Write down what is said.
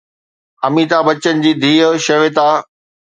اميتاڀ بچن جي ڌيءَ شيوتا